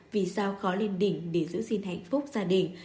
vì sao khó lên đỉnh để giữ gìn hạnh phúc gia đình